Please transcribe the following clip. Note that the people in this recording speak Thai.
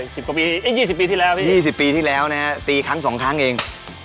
สิบกว่าปีเท่านั้นเอ้ย๒๐ปีทีแล้วพี่๒๐ปีที่แล้วนะครับตีครั้ง๒ครั้งเอง